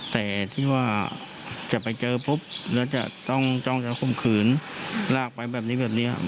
แต่ที่ว่าจะไปเจอปุ๊บแล้วจะต้องจะข่มขืนลากไปแบบนี้แบบนี้ครับ